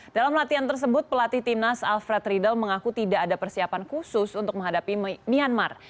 dalam latihan tersebut pelatih timnas alfred riedel mengaku tidak ada persiapan khusus untuk menghadapi myanmar